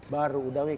baru udah nih